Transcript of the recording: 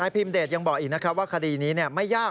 นายพิมเดชยังบอกอีกว่าคดีนี้ไม่ยาก